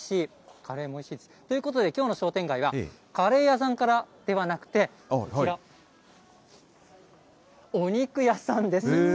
カレーもおいしいです。ということで、きょうの商店街は、カレー屋さんから、ではなくて、こちら、お肉屋さんです。